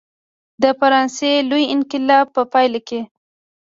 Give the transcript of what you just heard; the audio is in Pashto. د فرانسې لوی انقلاب په پایله کې.